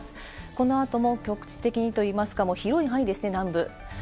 このあとも局地的にといいますか、広い範囲ですね、南部。